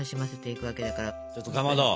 ちょっとかまど。